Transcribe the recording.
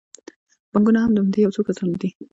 بانکونه هم د همدې یو څو کسانو دي